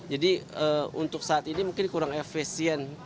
jadi untuk saat ini mungkin kurang efesien